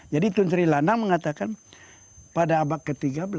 tun sri lanang mengatakan pada abad ke tiga belas